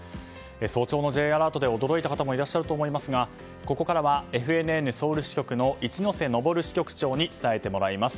早朝のＪアラートで、驚いた方もいらっしゃると思いますがここからはＦＮＮソウル支局の一之瀬登支局長に伝えてもらいます。